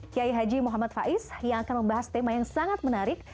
kiai haji muhammad faiz yang akan membahas tema yang sangat menarik